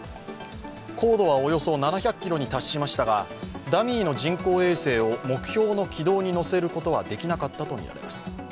高度はおよそ７００ｋｍに達しましたが、ダミーの人工衛星を目標の軌道に乗せることはできなかったとみられます。